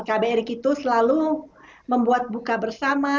kbri selalu membuat buka bersama